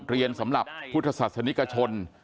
เรียนสำหรับพุทธศาสนิกชน